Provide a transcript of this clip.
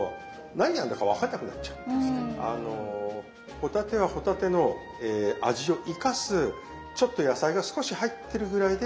帆立ては帆立ての味を生かすちょっと野菜が少し入ってるぐらいでいいと。